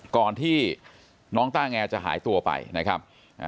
ก่อนที่น้องต้าแงจะหายตัวไปนะครับ